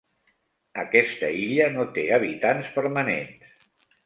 Aquesta illa no té habitants permanents.